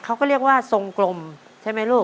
คุณยายแจ้วเลือกตอบจังหวัดนครราชสีมานะครับ